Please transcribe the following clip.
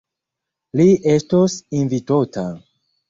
Li estos invitota.